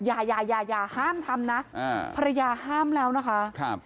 อย่าอย่าอย่าอย่าห้ามทำนะภรรรยาห้ามแล้วนะคะ